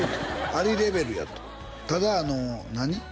アリレベルやとただ何？